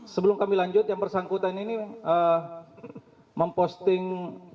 sebelum kami lanjut yang bersangkutan ini memposting